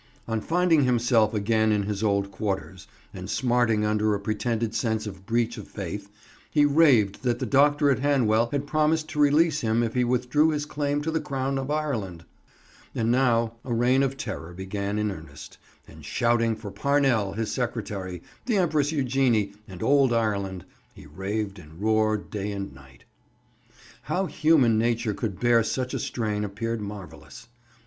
On finding himself again in his old quarters, and smarting under a pretended sense of breach of faith, he raved that the doctor at Hanwell had promised to release him if he withdrew his claim to the crown of Ireland. And now a reign of terror began in earnest, and shouting for Parnell, his secretary, the Empress Eugenie, and Old Ireland, he raved and roared day and night. How human nature could bear such a strain appeared marvellous.